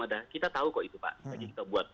ada kita tahu kok itu pak yang kita buat